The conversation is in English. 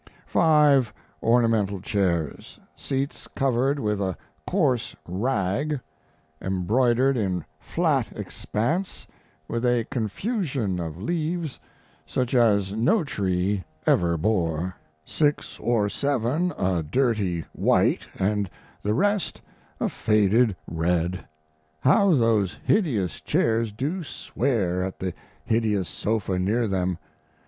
Five ornamental chairs, seats covered with a coarse rag, embroidered in flat expanse with a confusion of leaves such as no tree ever bore, six or seven a dirty white and the rest a faded red. How those hideous chairs do swear at the hideous sofa near them!